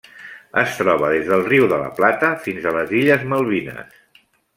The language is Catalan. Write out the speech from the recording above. Es troba des del Riu de la Plata fins a les Illes Malvines.